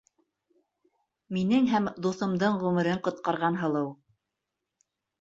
— Минең һәм дуҫымдың ғүмерен ҡотҡарған һылыу!